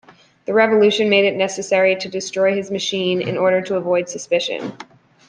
The Revolution made it necessary to destroy his machine in order to avoid suspicion.